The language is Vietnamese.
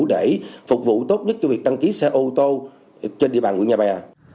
để phục vụ tốt nhất cho việc đăng ký xe ô tô trên địa bàn quận nhà bè